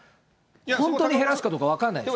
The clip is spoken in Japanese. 本当に減らすかどうか分からないです。